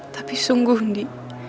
tapi sungguh ndi